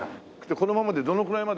このままでどのくらいまで。